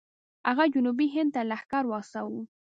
هغه جنوبي هند ته لښکر واستوه.